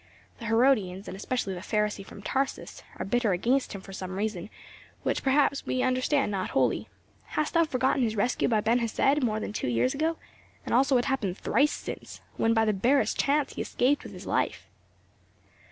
"The Herodians, and especially the Pharisee from Tarsus, are bitter against him for some reason, which perhaps we understand not wholly. Hast thou forgotten his rescue by Ben Hesed more than two years ago; and also what happened thrice since when by the barest chance he escaped with his life?"